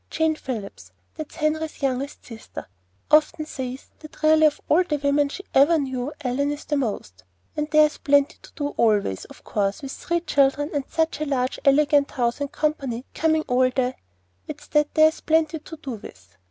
Jane Phillips that's Henry's youngest sister often says that really of all the women she ever knew Ellen is the most And there's plenty to do always, of course, with three children and such a large elegant house and company coming all the It's lucky that there's plenty to do with.